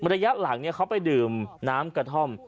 ระยะหลังเขาไปดื่มน้ำกระท่อม